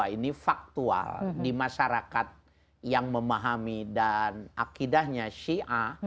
ini faktual di masyarakat yang memahami dan akidahnya syiah